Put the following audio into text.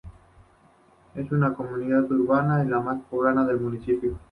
Es una comunidad urbana y la más poblada del municipio.